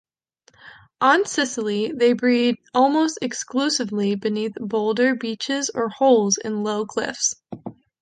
On Scilly, they breed almost exclusively beneath boulder beaches or holes in low cliffs.